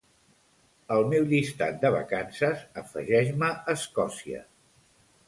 Al meu llistat de vacances afegeix-me Escòcia.